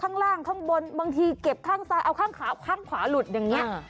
ข้างล่างข้างบนบางทีเก็บข้างซ้ายเอาข้างขาข้างขวาหลุดอย่างนี้